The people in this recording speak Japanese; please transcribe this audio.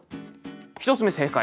１つ目正解。